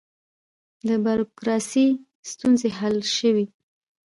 د بروکراسۍ ستونزې حل شوې؟